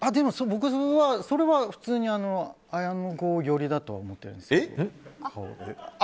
僕、それは普通に綾野剛寄りだとは思ってるんです。